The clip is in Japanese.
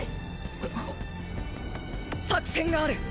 作戦がある。